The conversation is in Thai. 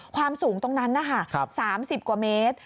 ความสูงตรงนั้นนะคะ๓๐กว่าเมตร